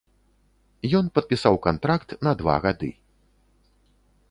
Ён падпісаў кантракт на два гады.